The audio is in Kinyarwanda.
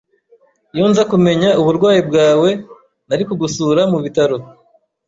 Iyo nza kumenya uburwayi bwawe, nari kugusura mubitaro.